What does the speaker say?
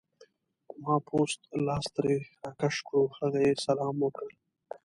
ما پوست لاس ترې راکش کړو، هغه یې سلام وکړ.